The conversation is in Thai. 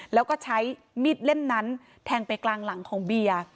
แล้วก็ใช้มีดเล่มนั้นแทงไปกลางหลังของเบียร์